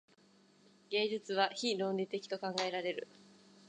芸術は非論理的と考えられる。